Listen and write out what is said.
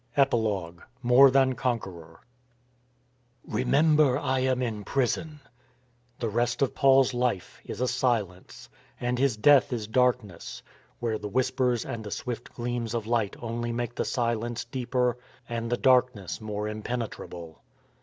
EPILOGUE MORE THAN CONQUEROR " "T) EMEMBER I am in prison." .... r^ The rest of Paul's life is a silence and his death is darkness, where the whispers and the swift gleams of light only make the silence deeper and the darkness more impenetrable.